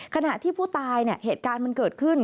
ขณะที่ผู้ตายเนี่ยเหตุการณ์มันเกิดขึ้น